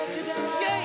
イェイ！